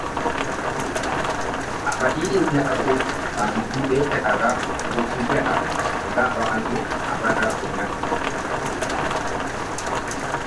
Abayimbi nabo bantu beetaaga okulya ng'abantu abalala bonna.